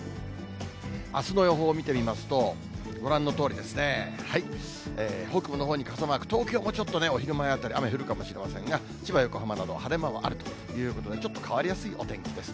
あすの予報を見てみますと、ご覧のとおりですね、北部のほうに傘マーク、東京もちょっとお昼前あたり、雨降るかもしれませんが、千葉、横浜など、晴れ間はあるということで、ちょっと変わりやすいお天気です。